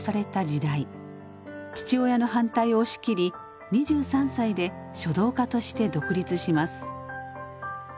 父親の反対を押し切り２３歳で書道家として独立します。